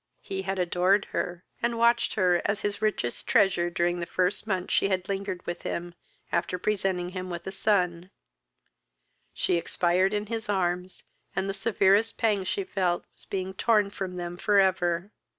He had adored her, and watched her as his richest treasure during the few months she had lingered with him, after presenting him with a son; she expired in his arms, and the severest pang she felt was being torn from them for ever.